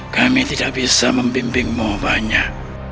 kami tidak bisa membimbingmu banyak